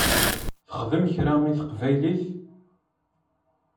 Texdem kra i teqbaylit?